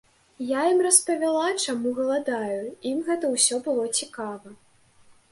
Я ім распавяла, чаму галадаю, ім гэта ўсё было цікава.